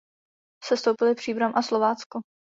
Sestoupily Příbram a Slovácko.